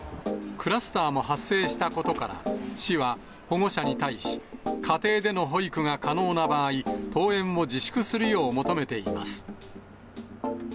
クラスターも発生したことから、市は保護者に対し、家庭での保育が可能な場合、登園を自粛するよう求めています。